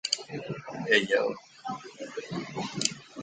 เรือล่มในหนองทองจะไปไหน